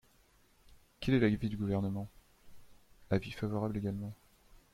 Quel est l’avis du Gouvernement ? Avis favorable également.